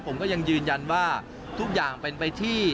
ผมก็ยังยืนยันว่าทุกอย่างเป็นไปที่